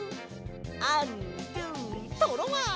アンドゥトロワ！